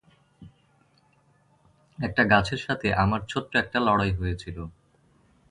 একটা গাছের সাথে আমার ছোট্ট একটা লড়াই হয়েছিল...